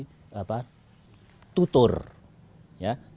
tutur artinya tutur yang berkata